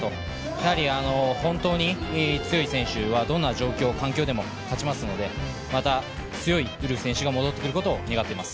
やはり本当に強い選手はどんな状況、環境でも勝ちますのでまた強いウルフ選手が戻ってくることを願っています。